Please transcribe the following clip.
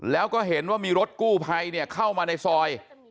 แล้วก็เห็นว่ามีรถกู้ภัยเข้ามาในซอย